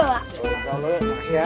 udah salurin makasih ya